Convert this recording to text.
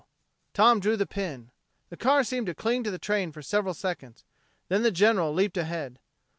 Tom drew the pin. The car seemed to cling to the train for several seconds; then the General leaped ahead.